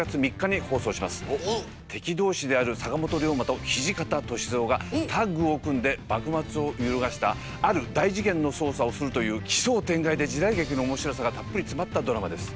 敵同士である坂本龍馬と土方歳三がタッグを組んで幕末を揺るがしたある大事件の捜査をするという奇想天外で時代劇の面白さがたっぷり詰まったドラマです。